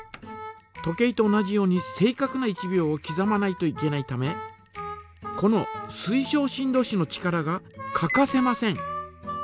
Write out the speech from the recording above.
時計と同じように正かくな１秒をきざまないといけないためこの水晶振動子の力が欠かせません。